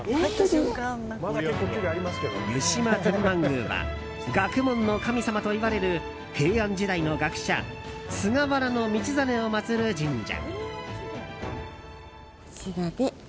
湯島天満宮は学問の神様といわれる平安時代の学者菅原道真を祭る神社。